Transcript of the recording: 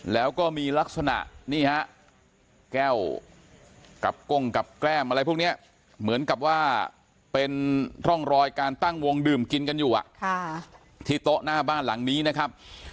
แล้วก็มีลักษณะนี่ฮะแก้วกับก้งกับแก้มอะไรพวกนี้เหมือนกับว่าเป็นร่องรอยการตั้งวงดื่มกินกันอยู่ที่โต๊ะหน้าบ้านหลังนี้นะครับ